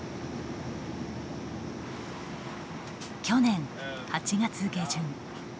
去年８月下旬。